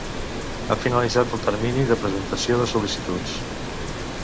Ha finalitzat el termini de presentació de sol·licituds.